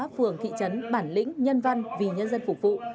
phường thị trấn bản lĩnh nhân văn vì nhân dân phục vụ